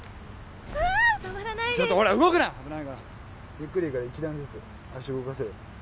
ゆっくりでいいから１段ずつ足動かせる？